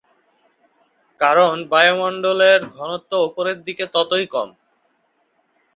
কারণ বায়ুমণ্ডলের ঘনত্ব ওপরের দিকে ততই কম।